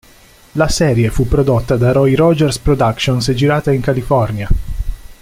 La serie fu prodotta da Roy Rogers Productions e girata in California.